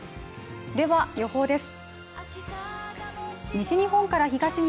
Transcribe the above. では、予報です。